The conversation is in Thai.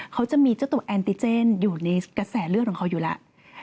เขาจะมีเจ้าตัวแอนติเจนอยู่ในกระแสเลือดของเขาอยู่แล้ว